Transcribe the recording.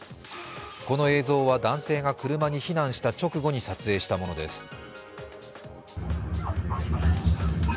この映像は男性が車に避難した直後に撮影したものです。